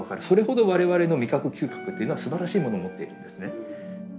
それほど我々の味覚嗅覚っていうのはすばらしいもの持っているんですね。